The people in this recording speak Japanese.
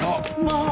まあ。